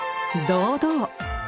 堂々！